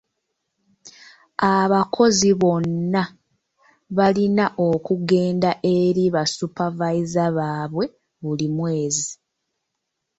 Abakozi bonna balina okugenda eri ba supervisor baabwe buli mwezi.